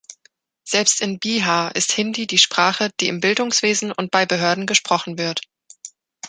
Selbst in Bihar ist Hindi die Sprache, die im Bildungswesen und bei Behörden gesprochen wird.